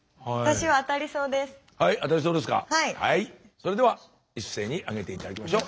それでは一斉にあげて頂きましょう。